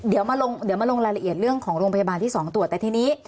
เดี๋ยวมาลงละละเอียดเรื่องของโรงพยาบาลที่สองตัวแต่ที่นี้